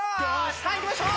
さあいきましょう